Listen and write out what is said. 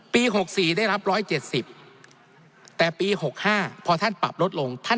ปีหกสี่ได้รับร้อยเจ็ดสิบแต่ปีหกห้าพอท่านปรับลดลง